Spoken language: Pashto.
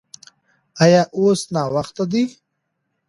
ایا اوس ناوخته ده؟